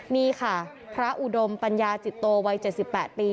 นี่ค่ะพระอุดมปัญญาจิตโตวัย๗๘ปี